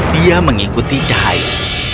dia mengikuti cahaya